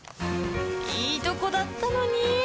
いいとこだったのに！